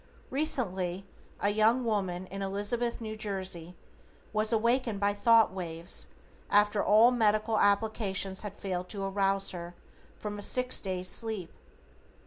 Recently a young woman, in Elizabeth, N.J. was awakened by thought waves after all medical applications had failed to arouse her from a six days' sleep.